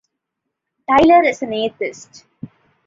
Tyler is an atheist.